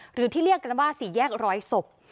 หรือที่เรียกกันว่าสี่แยกร้อยศพ